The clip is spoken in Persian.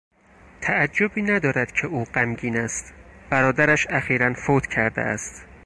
تعجبی ندارد که او غمگین است; برادرش اخیرا فوت کرده است.